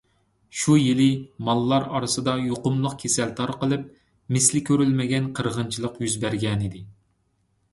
شۇ يىلى ماللار ئارىسىدا يۇقۇملۇق كېسەل تارقىلىپ، مىسلى كۆرۈلمىگەن قىرغىنچىلىق يۈز بەرگەنىدى.